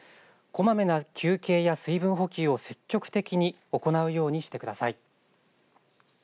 こまめな休憩や水分補給を積極的に行うようにしてください。